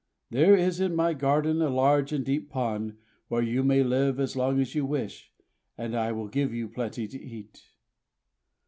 "There is in my garden a large and deep pond where you may live as long as you wish; and I will give you plenty to eat."